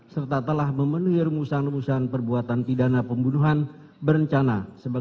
serta telah memenuhi rumusan rumusan perbuatan pidana pembunuhan berencana